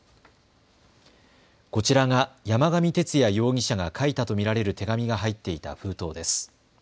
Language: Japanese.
こちらが山上徹也容疑者が書いたと見られる手紙が入っていた封筒です。